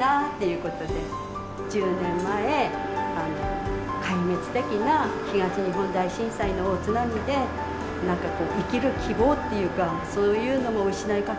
１０年前壊滅的な東日本大震災の大津波で何かこう生きる希望っていうかそういうのも失いかけた時に